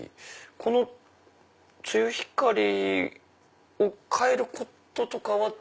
このつゆひかりを変えることとかは。